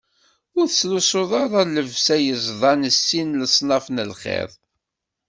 Ur tettlusuḍ ara llebsa yeẓḍan s sin n leṣnaf n lxiḍ.